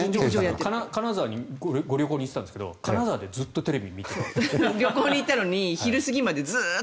金沢にご旅行に行っていたんですけど金沢でずっとテレビ見てたんですって。